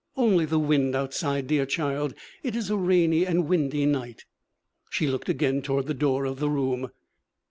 'Only the wind outside, dear child. It is a rainy and windy night.' She looked again toward the door of the room.